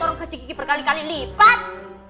orang gaji kiki berkali kali lipat